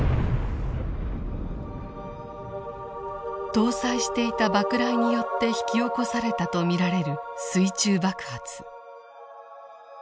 搭載していた爆雷によって引き起こされたと見られる水中爆発。